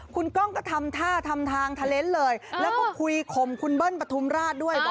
คุณกล้องก็ทำท่าทำทางทะเลนส์เลยแล้วก็คุยข่มคุณเบิ้ลปฐุมราชด้วย